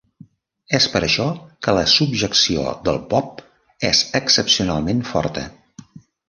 És per això que la subjecció del pop és excepcionalment forta.